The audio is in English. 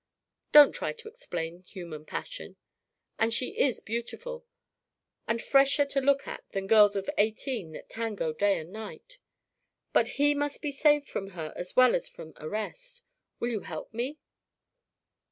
Don't try to explain human passion. And she is beautiful, and fresher to look at than girls of eighteen that tango day and night. But he must be saved from her as well as from arrest. Will you help me?"